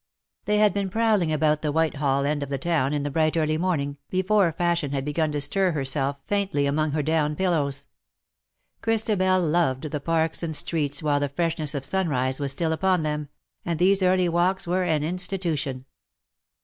'' They had been prowling about the Whitehall end of the town in the bright early morning, before Fashion had begun to stir herself faintly 150 IN SOCIETY. among her down pillows. Christabel loved the parks and streets while the freshness of sunrise was still upon them — and these early walks were an institution.